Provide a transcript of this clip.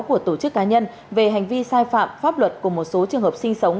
của tổ chức cá nhân về hành vi sai phạm pháp luật của một số trường hợp sinh sống